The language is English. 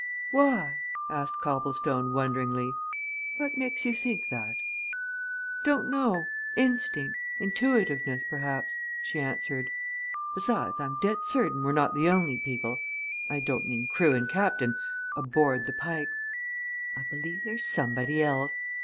"Why?" asked Copplestone, wonderingly. "What makes you think that?" "Don't know instinct, intuitiveness, perhaps," she answered. "Besides I'm dead certain we're not the only people I don't mean crew and Captain aboard the Pike. I believe there's somebody else.